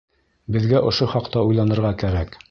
Беҙгә ошо хаҡта уйланырға кәрәк.